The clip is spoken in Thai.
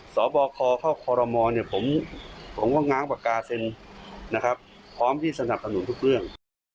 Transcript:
สบคเข้าคอรมอลเนี่ยผมก็ง้างปากกาเซ็นนะครับพร้อมที่สนับสนุนทุกเรื่อง